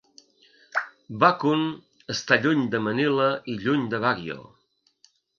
Bakun està lluny de Manila i lluny de Baguio.